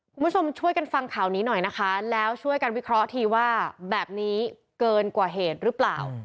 คุณผู้ชมช่วยกันฟังข่าวนี้หน่อยนะคะแล้วช่วยกันวิเคราะห์ทีว่าแบบนี้เกินกว่าเหตุหรือเปล่า